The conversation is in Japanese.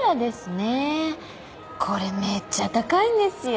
これめっちゃ高いんですよ。